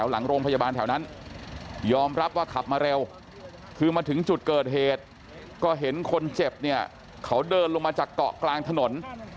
ลงมาจากเกาะกลางถนน